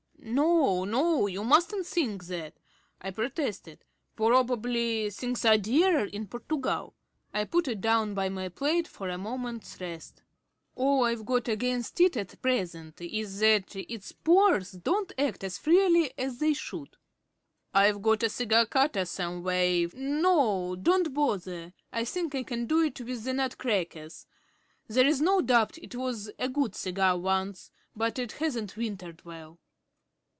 "No, no, you mustn't think that," I protested. "Probably things are dearer in Portugal." I put it down by my plate for a moment's rest. "All I've got against it at present is that its pores don't act as freely as they should." "I've got a cigar cutter somewhere, if " "No, don't bother, I think I can do it with the nut crackers. There's no doubt it was a good cigar once, but it hasn't wintered well."